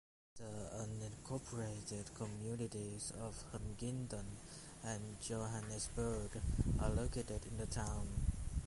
The unincorporated communities of Huntington and Johannesburg are located in the town.